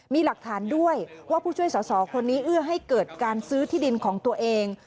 มีหลักฐานด้วยว่าผู้ช่วยสอสอคนนี้เอื้อให้เกิดการซื้อที่ดินของตัวเอง